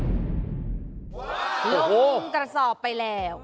โอ้โหลงกระสอบไปแล้ว